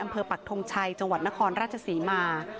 ปักทงชัยจังหวัดนครราชศรีมา